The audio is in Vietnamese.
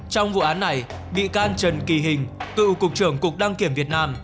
trong vụ án này bị can trần kỳ hình cựu cục trưởng cục đăng kiểm việt nam